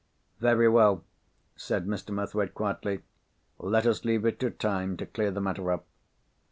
"Very well," said Mr. Murthwaite, quietly, "let us leave it to time to clear the matter up.